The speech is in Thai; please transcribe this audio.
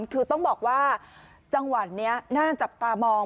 คือต้องบอกว่าจังหวัดนี้น่าจับตามอง